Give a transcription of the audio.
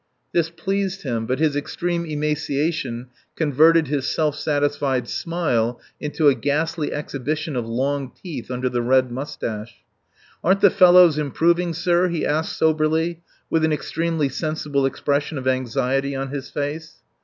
This pleased him, but his extreme emaciation converted his self satisfied smile into a ghastly exhibition of long teeth under the red moustache. "Aren't the fellows improving, sir?" he asked soberly, with an extremely sensible expression of anxiety on his face.